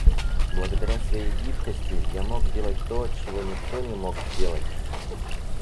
Благодаря своей гибкости, я мог делать то, чего никто не мог сделать.